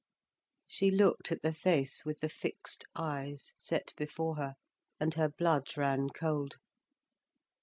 She looked at the face with the fixed eyes, set before her, and her blood ran cold.